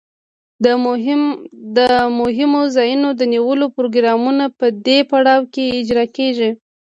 د مهمو ځایونو د نیولو پروګرامونه په دې پړاو کې اجرا کیږي.